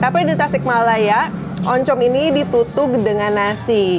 tapi di tasik malaya oncom ini ditutup dengan nasi